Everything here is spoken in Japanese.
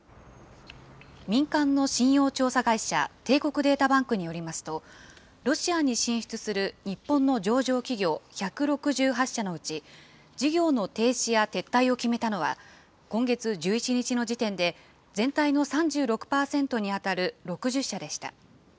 民間の信用調査会社、帝国データバンクによりますと、ロシアに進出する日本の上場企業１６８社のうち、事業の停止や撤退を決めたのは、今月１１日の時点で、全体の３６％に当たる６０社でした。